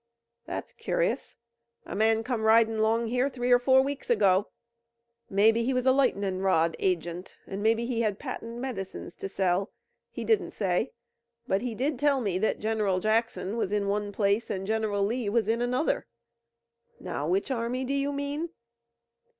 "That's cur'us. A man come ridin' 'long here three or four weeks ago. Mebbe he was a lightnin' rod agent an' mebbe he had patent medicines to sell, he didn't say, but he did tell me that General Jackson was in one place an General Lee was in another. Now which army do you mean?"